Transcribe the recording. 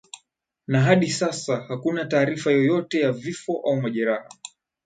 na hadi sasa hakuna taarifa yoyote ya vifo au majeraha